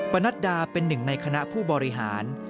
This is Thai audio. ปนัดดาเป็นหนึ่งในคณะผู้บริหาร